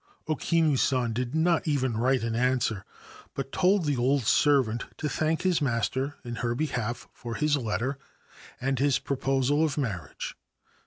O Kinu San did not even write an answer, but told the old servant to thank his master in her behalf for his letter and his proposal of marriage.